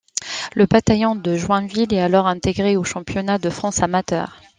Le Bataillon de Joinville est alors intégré au championnat de France amateur.